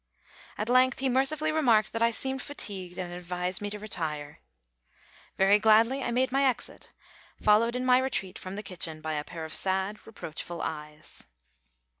At length he mercifully remarked that I seemed fatigued, and advised me to retire. Very gladly I made my exit, followed in my retreat from the kitchen by a pair of sad, reproachful eyes.